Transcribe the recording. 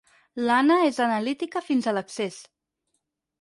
L'Anna és analítica fins a l'excés.